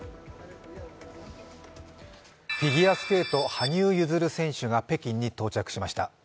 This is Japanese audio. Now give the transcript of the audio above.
フィギュアスケート羽生結弦選手が北京に到着しました。